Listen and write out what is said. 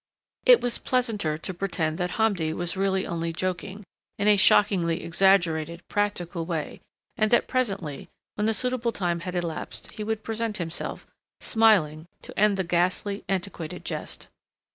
It was pleasanter to pretend that Hamdi was really only joking, in a shockingly exaggerated, practical way, and that presently, when the suitable time had elapsed, he would present himself, smiling, to end the ghastly, antiquated jest.